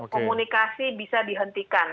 komunikasi bisa dihentikan